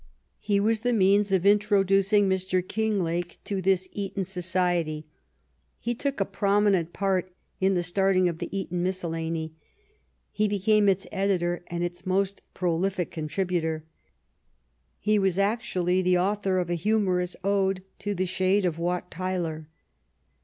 He was the means of introducing Mr. King lake to this Eton Society. He took a prominent part in the starting of the " Eton Miscellany." He became its editor and its most prolific contributor. He was actually the author of a humorous ode to the shade of Wat Tyler!